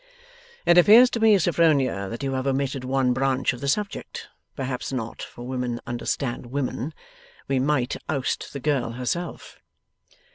'It appears to me, Sophronia, that you have omitted one branch of the subject. Perhaps not, for women understand women. We might oust the girl herself?